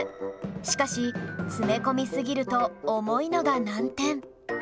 しかし詰め込みすぎると重いのが難点